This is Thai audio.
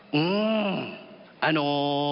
ฮือหัโง